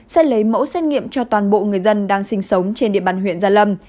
sẽ lấy mẫu xét nghiệm cho toàn bộ người dân đang sinh sống trên địa bàn huyện gia lâm